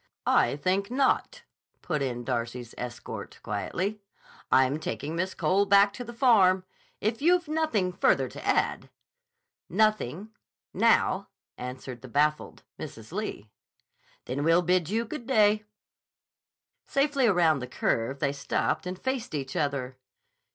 "I think not," put in Darcy's escort quietly. "I'm taking Miss Cole back to the Farm. If you've nothing further to add—" "Nothing—now," answered the baffled Mrs. Lee. "Then we'll bid you good day." Safely around the curve they stopped and faced each other.